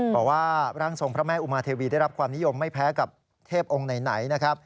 บอกว่าร่างทรงพระแม่อุมาเทวีได้รับความนิยมไม่แพ้กับเทพองค์ไหนนะครับ